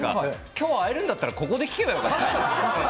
きょう会えるんだったらここで聞けよって。